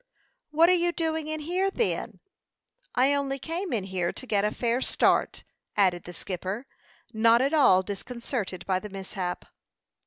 "What are you doing in here, then?" "I only came in here to get a fair start," added the skipper, not at all disconcerted by the mishap.